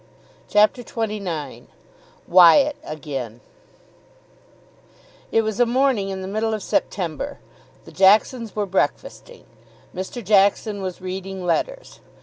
CHAPTER XXIX WYATT AGAIN It was a morning in the middle of September. The Jacksons were breakfasting. Mr. Jackson was reading letters.